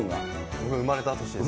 僕が生まれた年です。